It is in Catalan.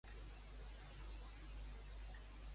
Com defineix el PSPV-PSOE?